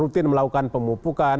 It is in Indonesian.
rutin melakukan pemupukan